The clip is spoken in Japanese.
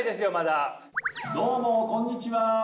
どうもこんにちは。